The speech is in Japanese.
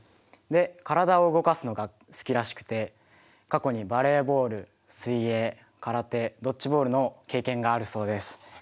で体を動かすのが好きらしくて過去にバレーボール水泳空手ドッジボールの経験があるそうです。